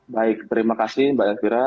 baik terima kasih mbak elvira